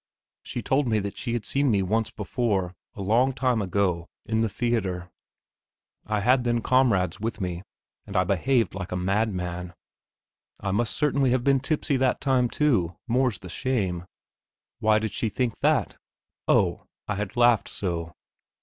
She told me that she had seen me once before, a long time ago, in the theatre. I had then comrades with me, and I behaved like a madman; I must certainly have been tipsy that time too, more's the shame. Why did she think that? Oh, I had laughed so.